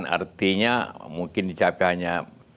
dan artinya mungkin dicapainya empat puluh enam empat puluh tujuh